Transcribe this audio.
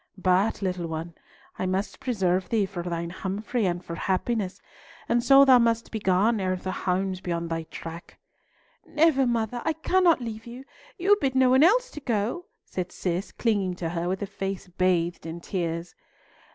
But, little one, I must preserve thee for thine Humfrey and for happiness, and so thou must be gone ere the hounds be on thy track." "Never, mother, I cannot leave you. You bid no one else to go!" said Cis, clinging to her with a face bathed in tears.